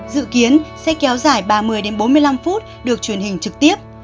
dự kiến sẽ kéo dài ba mươi bốn mươi năm phút được truyền hình trực tiếp